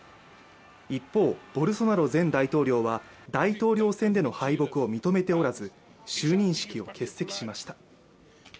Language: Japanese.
一方、ボルソナロ前大統領は大統領選での敗北を認めておらず、就任式を欠席しました。